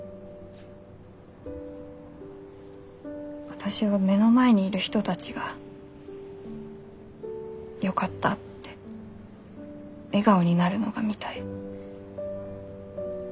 私は目の前にいる人たちがよかったって笑顔になるのが見たい。